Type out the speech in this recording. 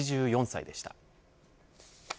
８４歳でした。